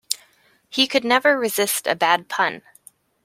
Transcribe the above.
He could never resist a bad pun.